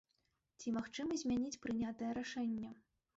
Ці магчыма змяніць прынятае рашэнне?